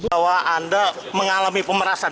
bahwa anda mengalami pemerasan